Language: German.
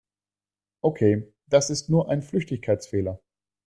Okay, das ist nur ein Flüchtigkeitsfehler.